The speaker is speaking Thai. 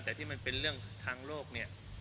แต่ที่มันเป็นเรื่องทางโลกเนี่ย